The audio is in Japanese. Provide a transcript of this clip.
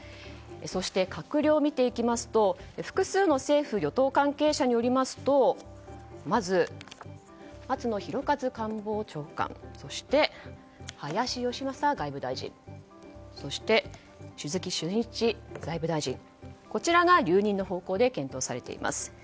閣僚を見ていきますと複数の政府・与党関係者によりますとまず、松野博一官房長官そして、林芳正外務大臣そして、鈴木俊一財務大臣こちらが留任の方向で検討されています。